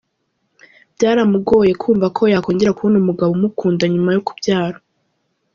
Byaramugoye kumva ko yakongera kubona umugabo umukunda nyuma yo kubyara:.